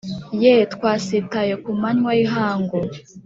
Ye twasitaye ku manywa y ihangu